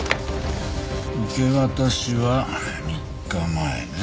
受け渡しは３日前ね。